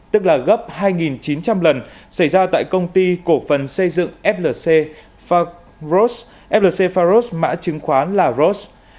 tức là gấp hai chín trăm linh lần xảy ra tại công ty cổ phần xây dựng flc faros flc pharos mã chứng khoán là ros